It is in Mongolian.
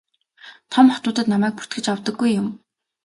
Том хотуудад намайг бүртгэж авдаггүй юм.